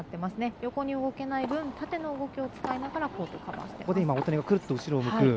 横に動けない分縦の動きを使いながらカバーしていく。